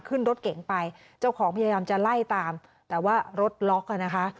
ขึ้นรถเก๋งไปเจ้าของพยายามจะไล่ตามแต่ว่ารถล็อกอ่ะนะคะ